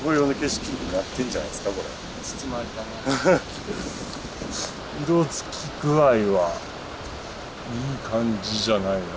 色つき具合はいい感じじゃないの。